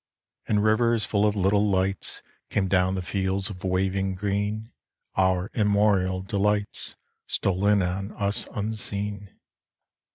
And rivers full of little lights Came down the fields of waving green: Our immemorial delights Stole in on us unseen.